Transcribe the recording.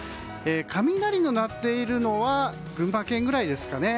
雷が鳴っているのは群馬県ぐらいですかね。